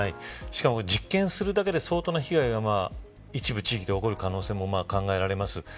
しかも実験するだけで相当な被害が一部地域では起こる可能性も考えられます。